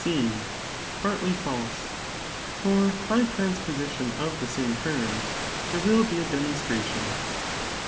C partly false, for by transposition of the same s. terms,' there will be a demon stration.